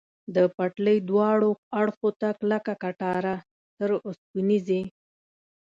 د پټلۍ دواړو اړخو ته کلکه کټاره، تر اوسپنیزې.